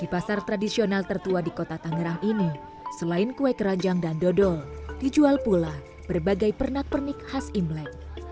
di pasar tradisional tertua di kota tangerang ini selain kue keranjang dan dodol dijual pula berbagai pernak pernik khas imlek